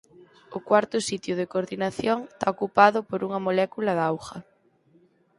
O cuarto sitio de coordinación está ocupado por unha molécula de auga.